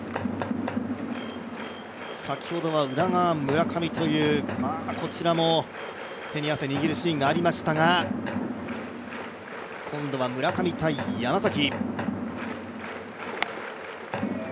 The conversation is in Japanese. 先ほどは宇田川と村上という手に汗握るシーンがありましたが今度は村上×山崎。